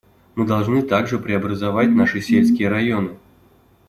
Мы должны также преобразовать наши сельские районы.